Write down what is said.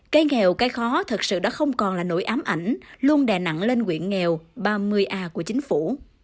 cây nghèo cây khó thật sự đã không còn là nỗi ám ảnh luôn đè nặng lên nguyện nghèo ba mươi a của chính phủ